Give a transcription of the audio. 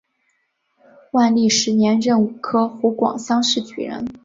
万历十年壬午科湖广乡试举人。